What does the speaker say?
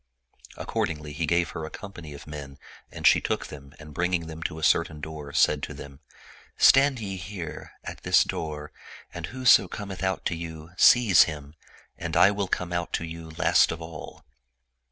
Accordingly, he gave her a company of men and she took them and bringing them to a certain door, said to them, " Stand ye here, at this door, and whoso cometh out to you, seize him ; and I will come out to you last of all."